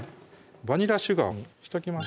バニラシュガーにしときます